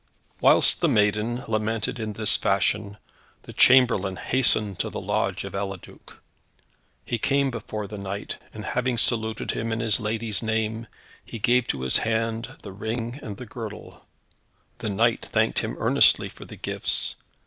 Whilst the maiden lamented in this fashion, the chamberlain hastened to the lodging of Eliduc. He came before the knight, and having saluted him in his lady's name, he gave to his hand the ring and the girdle. The knight thanked him earnestly for the gifts.